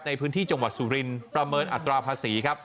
ในพื้นที่จังหวัดสุรินทร์ประเมินอัตราภาษีครับ